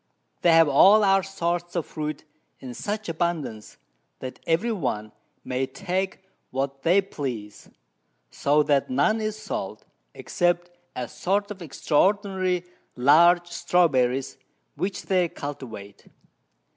They have all our sorts of Fruit in such abundance, that every one may take what they please; so that none is sold, except a sort of extraordinary large Strawberries, which they cultivate.